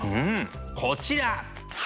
こちら！